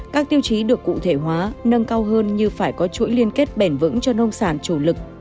các tiêu chí được cụ thể hóa nâng cao hơn như phải có chuỗi liên kết bền vững cho nông sản chủ lực